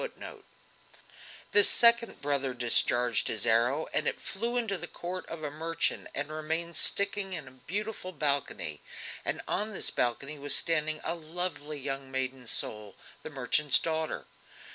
The second brother discharged his arrow and it flew into the court of a merchant and remained sticking in a beautiful balcony, and on this balcony was standing a lovely young maiden soul, the merchant's daughter.